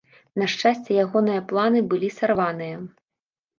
На шчасце, ягоныя планы былі сарваныя.